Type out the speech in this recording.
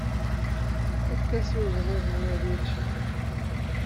Efk-as i wegḍiḍ-nni ad yečč!